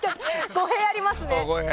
語弊ありますね。